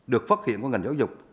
được phát hiện của ngành giáo dục